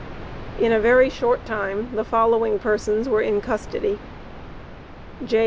In a very short time the following persons were in custody: J.